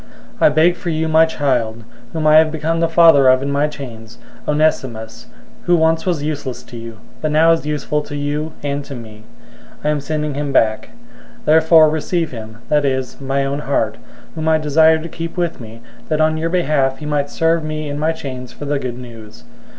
001:010 I beg you for my child, whom I have become the father of in my chains, Onesimus,{Onesimus means "useful."} 001:011 who once was useless to you, but now is useful to you and to me. 001:012 I am sending him back. Therefore receive him, that is, my own heart, 001:013 whom I desired to keep with me, that on your behalf he might serve me in my chains for the Good News.